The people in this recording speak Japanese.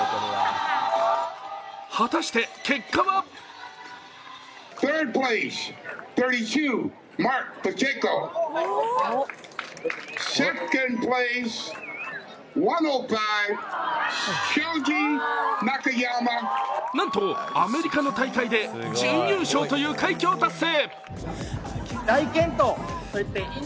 果たして結果はなんとアメリカの大会で準優勝という快挙を達成。